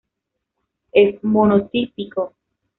Es monotípico.